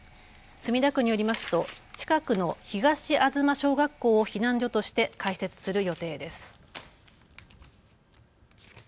墨田区によりますと近くの東吾嬬小学校を避難所として開設する予定です。